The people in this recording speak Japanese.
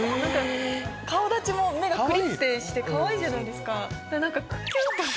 顔立ちも目がくりってしてかわいいじゃないですか。